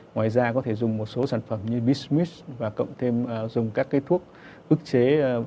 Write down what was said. ngoài ra có thể dùng một số sản phẩm như bus và cộng thêm dùng các cái thuốc ức chế